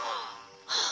はあ。